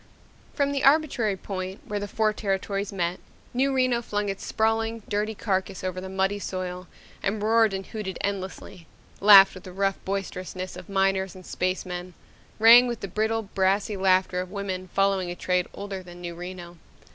From the arbitrary point where the four territories met, New Reno flung its sprawling, dirty carcass over the muddy soil and roared and hooted endlessly, laughed with the rough boisterousness of miners and spacemen, rang with the brittle, brassy laughter of women following a trade older than New Reno.